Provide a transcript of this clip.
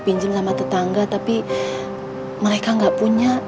saya sudah berusaha sama tetangga tapi mereka nggak punya